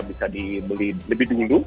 bisa dibeli lebih dulu